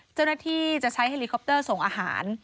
เจ้าหน้าที่จะใช้เฮลิคอปเตอร์ส่งอาหาร